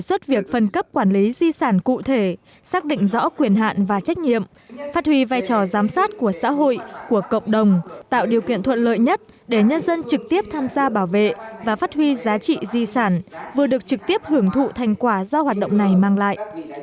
đề xuất việc phân cấp quản lý di sản cụ thể xác định rõ quyền hạn và trách nhiệm phát huy vai trò giám sát của xã hội của cộng đồng tạo điều kiện thuận lợi nhất để nhân dân trực tiếp tham gia bảo vệ và phát huy giá trị di sản vừa được trực tiếp hưởng thụ thành quả do hoạt động này mang lại